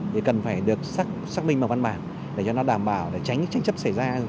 thì cần phải được xác minh vào văn bản để cho nó đảm bảo để tránh trách chấp xảy ra